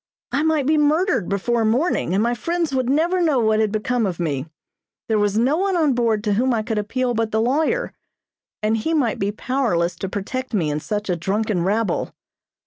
I might be murdered before morning, and my friends would never know what had become of me. There was no one on board to whom I could appeal but the lawyer, and he might be powerless to protect me in such a drunken rabble.